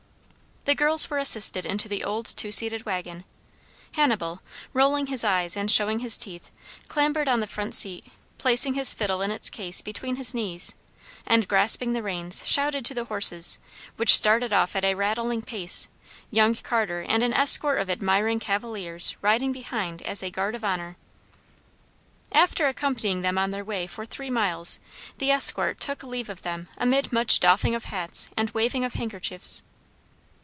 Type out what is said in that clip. The girls were assisted into the old two seated wagon, Hannibal, rolling his eyes and showing his teeth, clambered on the front seat, placing his fiddle in its case between his knees, and grasping the reins shouted to the horses, which started off at a rattling pace, young Carter and an escort of admiring cavaliers riding behind as a guard of honor. After accompanying them on their way for three miles, the escort took leave of them amid much doffing of hats and waving of handkerchiefs.